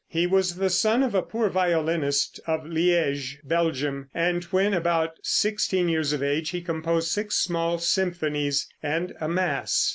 He was the son of a poor violinist of Liege, Belgium, and when about sixteen years of age he composed six small symphonies and a mass.